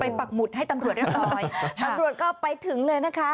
ปักหมุดให้ตำรวจเรียบร้อยตำรวจก็ไปถึงเลยนะคะ